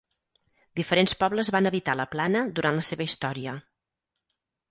Diferents pobles van habitar la plana durant la seva història.